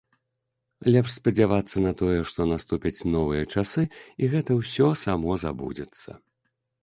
Лепш спадзявацца на тое, што наступяць новыя часы, і гэта ўсё само забудзецца.